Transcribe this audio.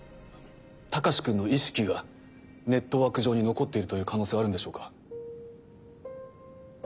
隆君の意識がネットワーク上に残っているという可能性はあるんでしょうか？